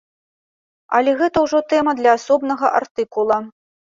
Але гэта ўжо тэма для асобнага артыкула.